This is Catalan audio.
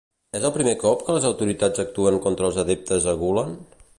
És el primer cop que les autoritats actuen contra els adeptes a Gülen?